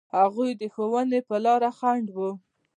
هغوی د ښوونې په لاره خنډ و.